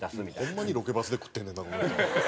ホンマにロケバスで食ってんねんな。